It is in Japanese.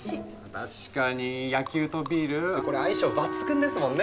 確かに野球とビールこれ相性抜群ですもんね。